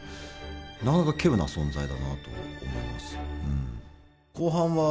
なかなか稀有な存在だなと思います。